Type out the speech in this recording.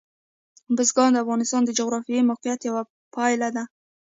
بزګان د افغانستان د جغرافیایي موقیعت یوه پایله ده.